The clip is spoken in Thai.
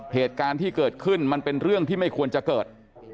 เหตุการณ์ที่เกิดขึ้นมันเป็นเรื่องที่ไม่ควรจะเกิด